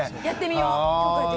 やってみよう。